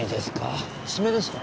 爪ですか？